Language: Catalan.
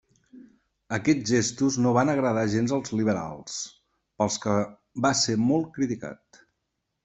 Aquests gestos no van agradar gens als liberals, pels que va ser molt criticat.